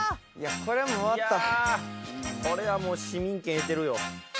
いやこれはもう市民権得てるよ。